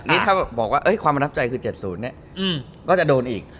นี่ถ้าบอกว่าความประทับใจคือ๗๐ก็จะโดนอีก